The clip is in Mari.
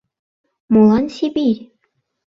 Молан Сибирь?